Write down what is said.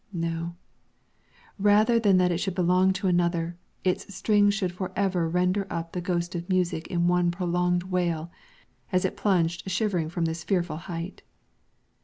No! rather than that it should belong to another, its strings should for ever render up the ghost of music in one prolonged wail, as it plunged shivering from this fearful height.